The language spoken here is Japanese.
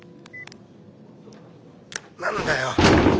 何だよ！